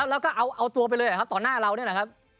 โอ้โหแล้วก็เอาตัวไปเลยครับตอนหน้าเราเนี่ยหรือครับ